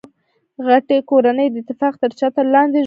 غټۍ کورنۍ د اتفاق تر چتر لاندي ژوند کیي.